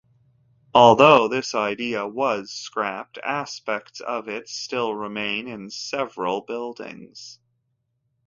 Although this idea was scrapped, aspects of it still remain in several buildings.